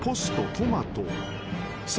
トマト。